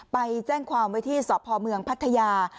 ไปแจ้งความไว้ที่สพเมืองพัทยา